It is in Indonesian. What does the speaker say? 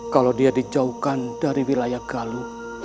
kalau dia dijauhkan dari wilayah galut